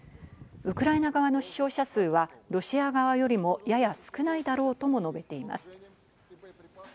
ウクライナ側の死傷者数はロシア側よりもやや少ないだろうとも述べています。